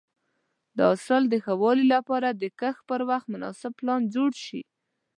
د حاصل د ښه والي لپاره د کښت پر وخت مناسب پلان جوړ شي.